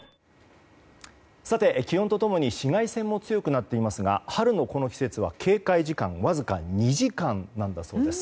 気温と共に紫外線も強くなっていますが春のこの季節は警戒時間わずか２時間だそうです。